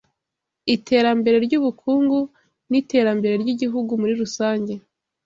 Iterambere ry'ubukungu n'iterambere ryigihugu muri rusange